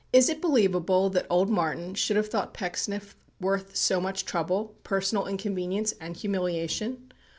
Is it believable that old Martin should have thought Pecksniff worth so much trouble, personal inconvenience, and humiliation?